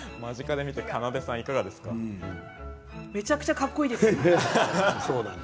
めちゃくちゃかっこいいです。